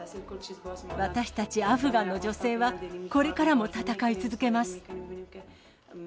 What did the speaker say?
私たちアフガンの女性は、これからも戦い続けます。